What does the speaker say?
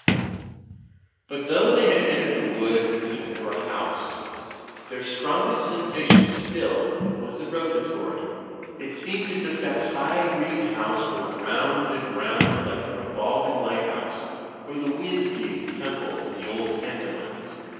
Digitized by CjOOQ IC 266 THE FLYING INN But though they had entered the wood as if it were a house, their strongest sensation still was the rota tory ; it seemed as if that high green house went round and rotuid like a revolving lighthouse or the whiz gig temple in the old pantomimes.